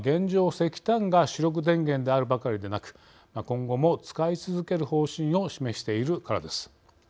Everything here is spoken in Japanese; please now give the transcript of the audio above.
石炭が主力電源であるばかりでなく今後も使い続ける方針を示しているからです。